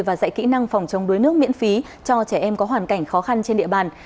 và dạy kỹ năng phòng chống đuối nước miễn phí cho trẻ em có hoàn cảnh khó khăn trên địa bàn